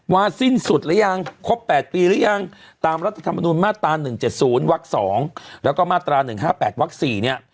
สิ้นสุดหรือยังครบ๘ปีหรือยังตามรัฐธรรมนุนมาตรา๑๗๐วัก๒แล้วก็มาตรา๑๕๘วัก๔เนี่ย